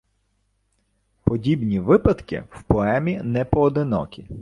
Подібні випадки в поемі непоодинокі.